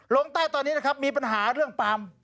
ลงใต้ตอนนี้นะครับมีปัญหาเรื่องปาล์ม